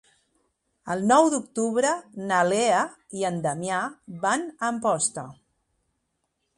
El nou d'octubre na Lea i en Damià van a Amposta.